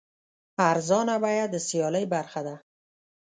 ارزانه بیه د سیالۍ برخه ده.